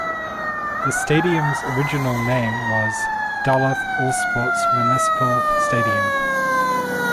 The stadium's original name was Duluth All-Sports Municipal Stadium.